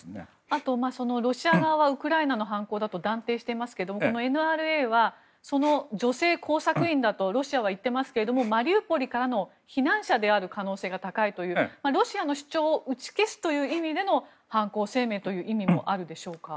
あと、ロシア側はウクライナの犯行だと断定していますけどＮＲＡは、その女性工作員だとロシアは言っていますけれどもマリウポリからの避難者である可能性が高いというロシアの主張を打ち消すという意味での犯行声明という意味もあるでしょうか。